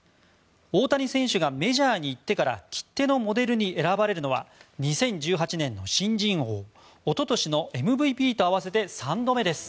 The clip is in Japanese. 大谷選手がメジャーに行ってから切手のモデルに選ばれるのは２０１８年の新人王一昨年のＭＶＰと合わせて３度目です。